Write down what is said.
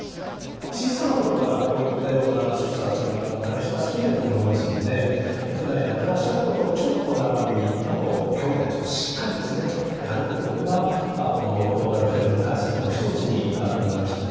小さな頃からこういったような所作っていうのはもう慣れ親しんでると思いますのでふだんやっていらっしゃることをちょっと長めにあと今日みたいにちょっとしっかりですねやるってことがこのオーラルフレイルの対策の一つになると思いまして。